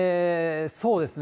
そうですね。